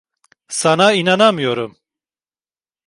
Sana inanamıyorum.